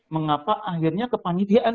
mengapa akhirnya kepanitiaan